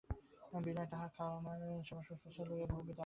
বিনয় তাহার খাওয়াদাওয়া সেবাশুশ্রূষা লইয়া বহুবিধ আবদার জুড়িয়া দিল।